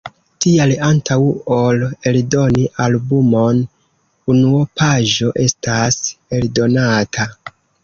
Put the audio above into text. Tial, antaŭ ol eldoni albumon, unuopaĵo estas eldonata.